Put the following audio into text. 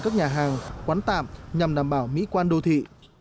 các nhà hàng quán tạm nhằm đảm bảo mỹ quan đô thị